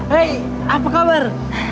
hei apa kabar